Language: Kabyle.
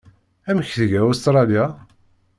Amek tga Ustṛalya?